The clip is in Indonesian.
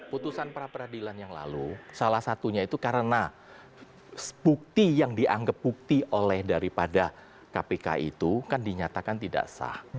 putusan pra peradilan yang lalu salah satunya itu karena bukti yang dianggap bukti oleh daripada kpk itu kan dinyatakan tidak sah